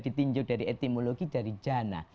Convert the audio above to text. ditinjau dari etimologi dari jana